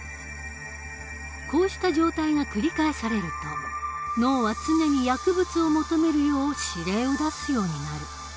こうした状態が繰り返されると脳は常に薬物を求めるよう指令を出すようになる。